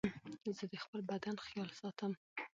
زه د خپل بدن خيال ساتم.